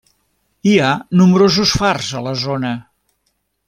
Hi ha nombrosos fars a la zona.